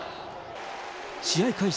試合開始